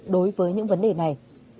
đối với những vấn đề này